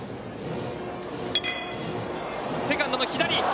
セカンドの左。